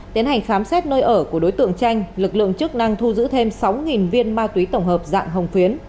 tiến hành khám xét nơi ở của đối tượng tranh lực lượng chức năng thu giữ thêm sáu viên ma túy tổng hợp dạng hồng phiến